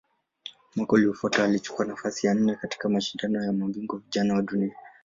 Mwaka uliofuata alichukua nafasi ya nne katika Mashindano ya Mabingwa Vijana wa Dunia.